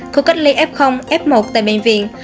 khu cách ly f f một tại bệnh viện